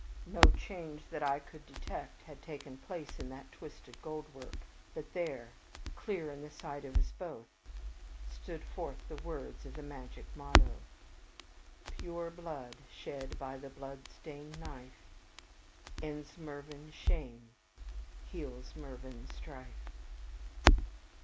No change that I could detect had taken place in that twisted goldwork; but there, clear in the sight of us both, stood forth the words of the magic motto: "Pure blood shed by the blood stained knife Ends Mervyn shame, heals Mervyn strife."